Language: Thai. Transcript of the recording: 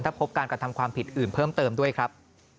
พบการกระทำความผิดอื่นเพิ่มเติมด้วยครับ